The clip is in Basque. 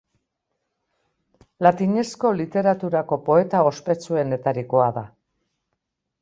Latinezko literaturako poeta ospetsuenetarikoa da.